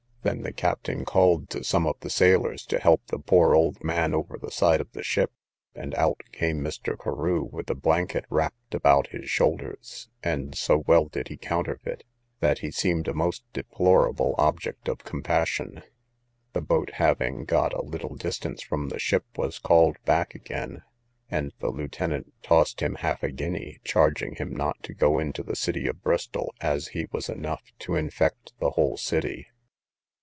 Then the captain called to some of the sailors, to help the poor old man over the side of the ship, and out came Mr. Carew, with the blanket wrapped about his shoulders, and so well did he counterfeit, that he seemed a most deplorable object of compassion. The boat having got a little distance from the ship, was called back again, and the lieutenant tossed him half a guinea, charging him not to go into the city of Bristol, as he was enough to infect the whole city.